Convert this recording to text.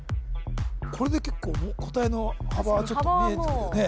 これで結構答えの幅はちょっと見えてくるよね・